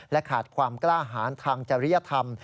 ขาดความกล้าหารทางจริยธรรม